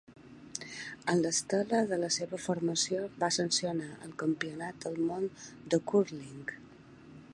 En l'estela de la seva formació, va sancionar el Campionat del món de Cúrling.